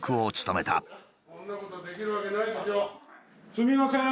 すみません。